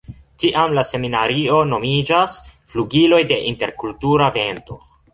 Tiam la seminario nomiĝas Flugiloj de interkultura vento.